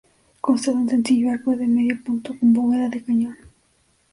Consta de un sencillo arco de medio punto con bóveda de cañón.